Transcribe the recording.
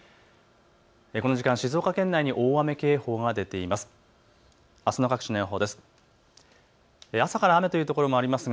この時間、静岡県内に大雨警報が出ています。